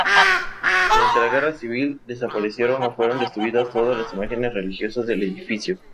Durante la Guerra Civil, desaparecieron o fueron destruidas todas las imágenes religiosas del edificio.